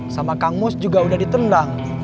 sama kang mus juga udah ditendang